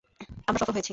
আমরা সফল হয়েছি।